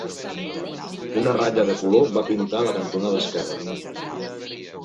Una ratlla de color va pintar la cantonada esquerra.